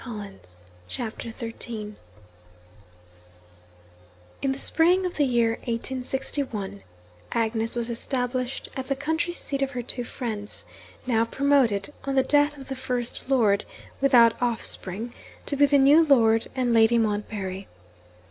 THE THIRD PART CHAPTER XIII In the spring of the year 1861, Agnes was established at the country seat of her two friends now promoted (on the death of the first lord, without offspring) to be the new Lord and Lady Montbarry.